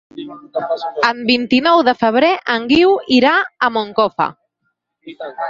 El vint-i-nou de febrer en Guiu irà a Moncofa.